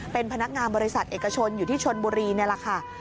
เป็นพนักงานบริษัทเอกชนอยู่ที่ชนบุรีนี่แหละค่ะ